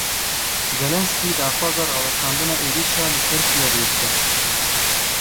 Zelenesky daxwaza rawestandina êrişa li ser Kîevê dike.